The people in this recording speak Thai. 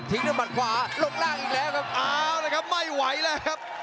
ทิ้งด้วยมัดขวาลงร่างอีกแล้วอ้าวนะครับไม่ไหวแล้วครับ